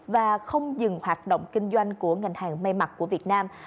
và không dừng hoạt động kinh doanh của ngành hàng may mặt của việt nam